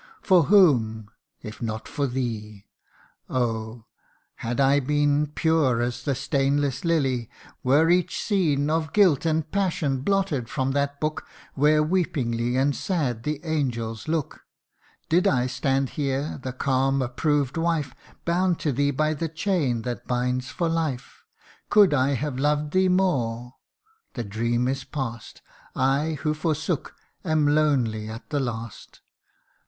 For whom if not for thee ? Oh ! had I been Pure as the stainless lily were each scene Of guilt and passion blotted from that book Where weepingly and sad the angels look 74 THE UNDYING ONE. Did I stand here the calm approved wife, Bound to thee by the chain that binds for life Could I have loved thee more ? The dream is past I who forsook, am lonely at the last